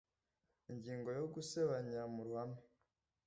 ingingo ya gusebanya mu ruhame